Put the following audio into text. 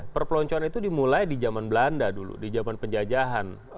perpeloncoan itu dimulai di zaman belanda dulu di zaman penjajahan